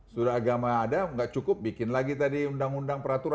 sudah agama ada nggak cukup bikin lagi tadi undang undang peraturan